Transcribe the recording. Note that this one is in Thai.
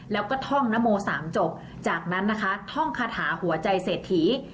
แล้วก็ท่องนโมสามจบจากนั้นนะคะท่องคาถาหัวใจเศรษฐี